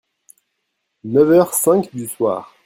Neuf heures cinq du soir.